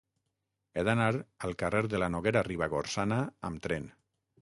He d'anar al carrer de la Noguera Ribagorçana amb tren.